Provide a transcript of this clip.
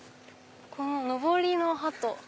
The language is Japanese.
こののぼりの鳩。